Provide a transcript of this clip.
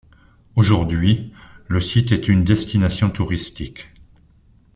Aujourd'hui, le site est une destination touristique.